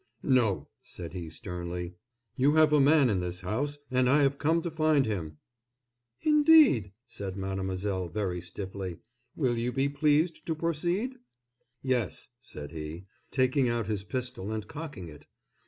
"No!" said he, sternly. "You have a man in this house, and I have come to find him." "Indeed?" said mademoiselle, very stiffly. "Will you be pleased to proceed?" "Yes," said he, taking out his pistol and cocking it.